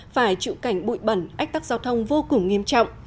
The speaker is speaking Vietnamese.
phải chịu cảnh bụi bẩn ách tắc giao thông vô cùng nghiêm trọng